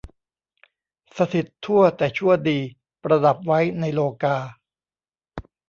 สถิตทั่วแต่ชั่วดี ประดับไว้ในโลกา